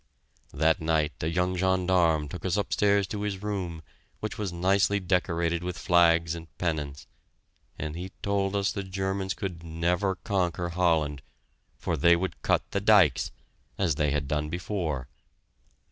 That night a young gendarme took us upstairs to his room, which was nicely decorated with flags and pennants, and he told us the Germans could never conquer Holland, for they would cut the dykes as they had done before.